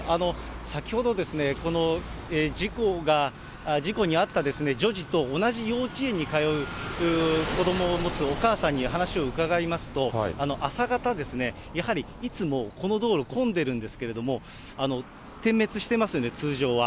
先ほど、この事故に遭った女児と同じ幼稚園に通う子どもを持つお母さんに話を伺いますと、朝方、やはりいつもこの道路混んでるんですけれども、点滅してますよね、通常は。